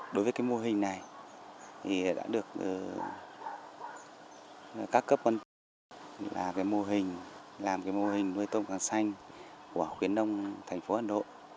đối với mô hình này các cấp quan trọng làm mô hình nuôi tôm càng xanh của hồ khuyến đông thành phố hà nội